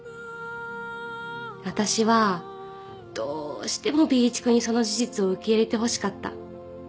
私はどうしても Ｂ 一君にその事実を受け入れてほしかった